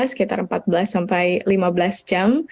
sekitar empat belas sampai lima belas jam